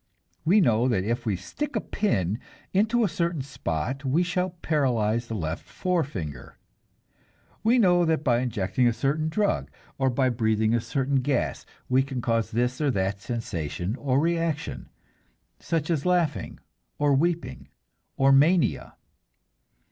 We know that if we stick a pin into a certain spot we shall paralyze the left forefinger. We know that by injecting a certain drug, or by breathing a certain gas, we can cause this or that sensation or reaction, such as laughing or weeping or mania.